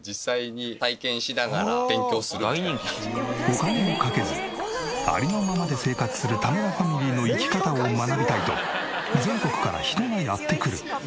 お金をかけずありのままで生活する田村ファミリーの生き方を学びたいと全国から人がやって来る。